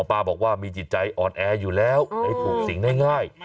ป้าบอกว่ามีจิตใจอ่อนแออยู่แล้วเลยถูกสิงได้ง่าย